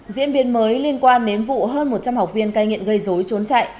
diễn biến mới liên quan đến vụ hơn một trăm linh học viên cai nghiện gây dối trốn chạy